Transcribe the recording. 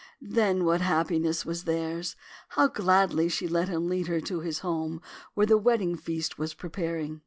Then what happiness was theirs! How gladly she let him lead her to his home, where the wed ding feast was preparing!